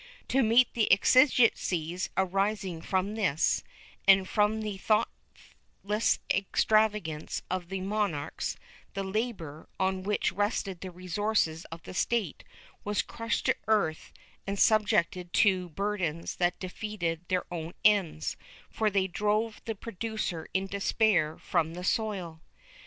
To meet the exigencies arising from this, and from the thoughtless extravagance of the monarchs, the labor, on which rested the resources of the State, was crushed to earth and sub jected to burdens that defeated their omi ends, for they drove the producer in despair from the soil.